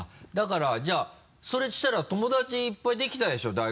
だからじゃあそしたら友達いっぱいできたでしょ？